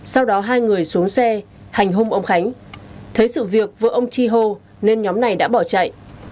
sau đó hai người xuống xe hành hung ông khánh thấy sự việc với ông chi hô nên nhóm này đã bỏ chạy